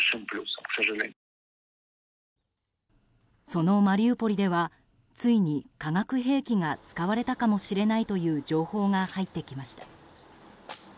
そのマリウポリではついに化学兵器が使われたかもしれないという情報が入ってきました。